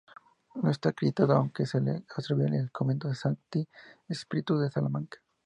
No está acreditado, aunque se le atribuye el convento de Sancti Spiritus en Salamanca.